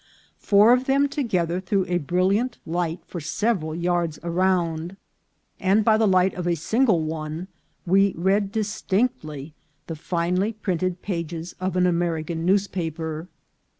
Four of them together threw a brilliant light for several yards around, and by the light of a single one we read distinctly the finely printed pages of an American newspaper.